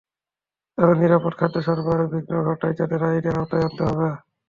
যারা নিরাপদ খাদ্য সরবরাহে বিঘ্ন ঘটায়, তাদের আইনের আওতায় আনতে হবে।